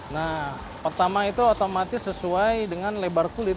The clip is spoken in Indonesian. nah pertama itu otomatis sesuai dengan lebar kulit